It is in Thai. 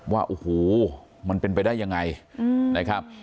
ว่าโอ้โหมันเป็นไปได้ยังไงนะครับ